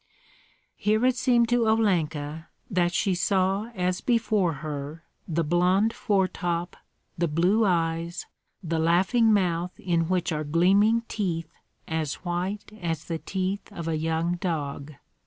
Here it seemed to Olenka that she saw as before her the blond foretop, the blue eyes, the laughing mouth in which are gleaming teeth as white as the teeth of a young dog.